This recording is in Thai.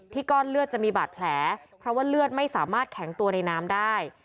ก้อนเลือดจะมีบาดแผลเพราะว่าเลือดไม่สามารถแข็งตัวในน้ำได้